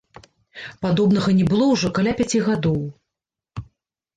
Падобнага не было ўжо каля пяці гадоў.